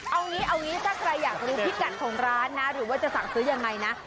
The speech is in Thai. เอางี้เอางี้ถ้าใครอยากรู้พิกัดของร้านนะหรือว่าจะสั่งซื้อยังไงนะ